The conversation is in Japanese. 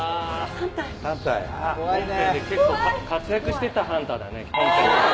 結構活躍してたハンターだね。